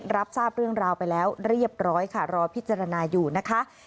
รับทราบเรื่องราวไปแล้วเรียบร้อยค่ะรอพิจารณาอยู่นะคะ